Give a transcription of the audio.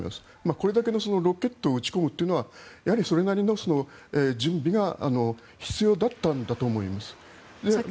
これだけのロケットを撃ち込むというのはやはりそれなりの準備が必要だったんだと思います。